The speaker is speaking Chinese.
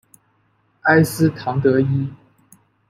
埃斯唐德伊。